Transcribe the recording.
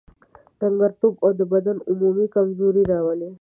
ډنګرتوب او د بدن عمومي کمزوري راولي.